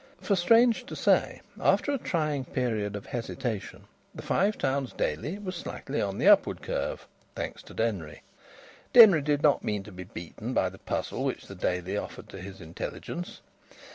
For, strange to say, after a trying period of hesitation, the Five Towns Daily was slightly on the upward curve thanks to Denry. Denry did not mean to be beaten by the puzzle which the Daily offered to his intelligence.